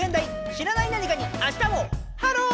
知らない何かにあしたもハロー！